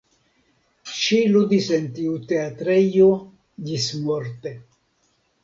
Ŝi ludis en tiu teatrejo ĝismorte.